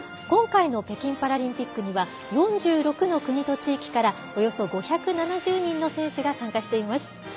今回の北京パラリンピックには４６の国と地域からおよそ５７０人の選手が参加しています。